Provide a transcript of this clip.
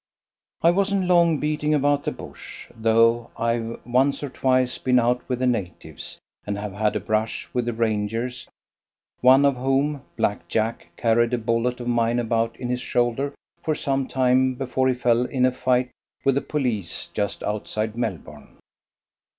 I wasn't long "beating about the bush," though I've once or twice been out with the natives and have had a brush with the rangers, one of whom Black Jack carried a bullet of mine about in his shoulder for some time before he fell in a fight with the police just outside Melbourne.